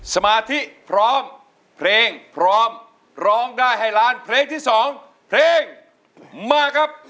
สมาธิพร้อมเพลงพร้อมร้องได้ให้ล้านเพลงที่๒เพลงมาครับ